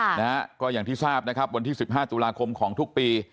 นะฮะก็อย่างที่ทราบนะครับวันที่สิบห้าตุลาคมของทุกปี